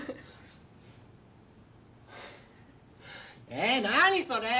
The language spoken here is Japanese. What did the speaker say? ええ何それ！